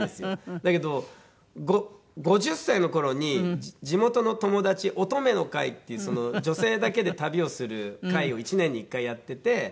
だけど５０歳の頃に地元の友達乙女の会っていう女性だけで旅をする会を１年に１回やってて。